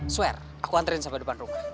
swear aku anterin sampai depan rumah